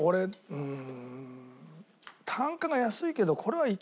うん。